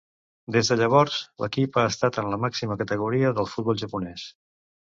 Des de llavors, l'equip ha estat en la màxima categoria del futbol japonès.